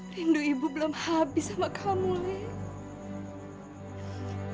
rindu ibu belum habis sama kamu nih